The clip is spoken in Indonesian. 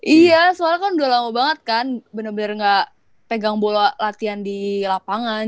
iya soalnya kan udah lama banget kan bener bener gak pegang bola latihan di lapangan